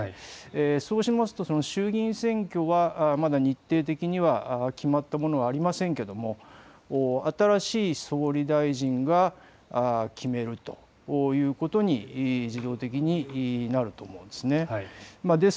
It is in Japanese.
そうしますと衆議院選挙は日程的には決まったものはありませんけれども新しい総理大臣が決めるということに自動的になると思います。